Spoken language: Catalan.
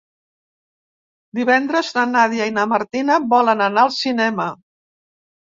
Divendres na Nàdia i na Martina volen anar al cinema.